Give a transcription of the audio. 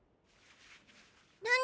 何？